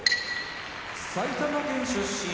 埼玉県出身